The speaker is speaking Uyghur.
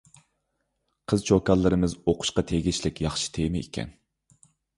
قىز-چوكانلىرىمىز ئوقۇشقا تېگىشلىك ياخشى تېما ئىكەن.